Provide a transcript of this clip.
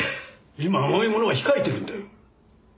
今甘いものは控えてるんだよ。